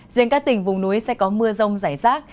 riêng các tỉnh vùng núi sẽ có mưa rông rải rác